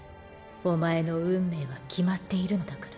お前の運命は決まっているのだから。